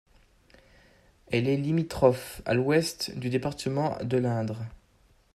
Elle est limitrophe, à l'ouest, du département de l'Indre.